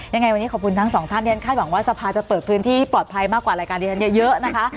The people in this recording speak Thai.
ยังไงวันนี้ขอบคุณทั้งสองท่านที่ฉันคาดหวังว่าสภาจะเปิดพื้นที่ปลอดภัยมากกว่ารายการที่ฉันเยอะนะคะ